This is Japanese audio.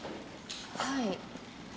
はい。